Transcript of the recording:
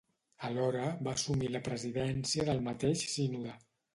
Alhora, va assumir la presidència del mateix sínode.